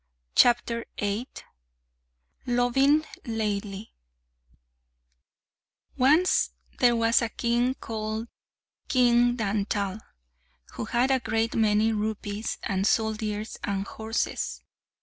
Loving Laili Once there was a king called King Dantal, who had a great many rupees and soldiers and horses.